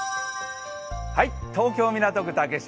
東京・港区竹芝